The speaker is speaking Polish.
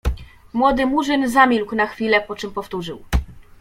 Młody Murzyn zamilkł na chwilę, po czym powtórzył.